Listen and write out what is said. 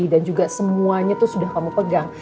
dan juga semuanya itu sudah kamu pegang